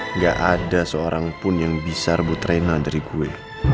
enggak ada seorang pun yang bisa rebut rena dari gue